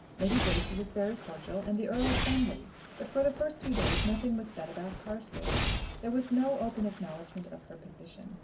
Lady Bracy was very cordial and the Earl friendly, but for the first two days nothing was said about Carstairs. There was no open acknowledgment of her position.